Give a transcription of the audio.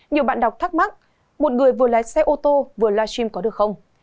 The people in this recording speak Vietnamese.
nhiều bạn đọc thắc mắc một người vừa lái xe ô tô vừa live stream có được không